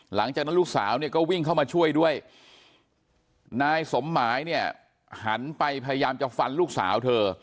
หลังจากนั้นลูกสาวเนี่ยก็วิ่งเข้ามาช่วยด้วยนายสมหมายเนี่ยหันไปพยายามจะฟันลูกสาวเธอ